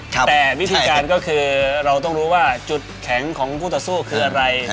แต่วิธีการก็คือเราต้องรู้ว่าจุดแข็งของผู้ต่อสู้คืออะไร